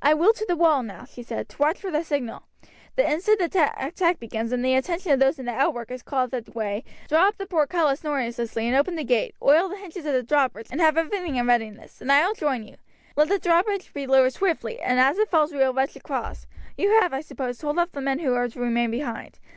"I will to the wall now," she said, "to watch for the signal. The instant the attack begins and the attention of those in the outwork is called that way, draw up the portcullis noiselessly and open the gate, oil the hinges of the drawbridge and have everything in readiness; then I will join you. Let the drawbridge be lowered swiftly, and as it falls we will rush across. You have, I suppose, told off the men who are to remain behind.